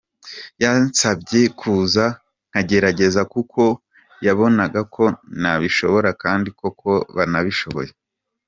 Yansabye kuza nkagerageza kuko yabonaga ko nabishobora kandi koko nabishoboye.